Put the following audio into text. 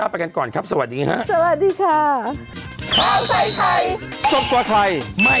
โปรดติดตามตอนต่อไป